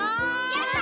やった！